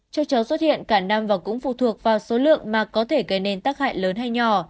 châu chấu xuất hiện cả năm và cũng phụ thuộc vào số lượng mà có thể gây nên tác hại lớn hay nhỏ